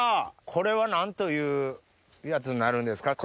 これは何というやつになるんですか？